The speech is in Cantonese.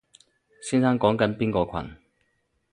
先生講緊邊個群？